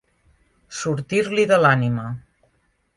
Sortir-li de l'ànima.